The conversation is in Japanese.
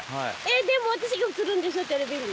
でも私が映るんでしょテレビに。